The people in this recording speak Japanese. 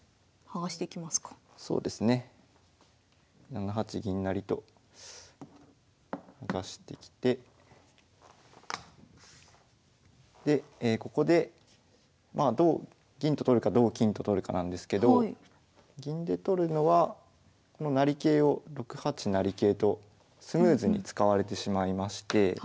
７八銀成と剥がしてきてでここでまあ同銀と取るか同金と取るかなんですけど銀で取るのはこの成桂を６八成桂とスムーズに使われてしまいまして。